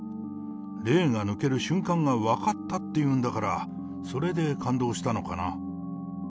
霊が抜ける瞬間が分かったって言うんだから、それで感動したのかな。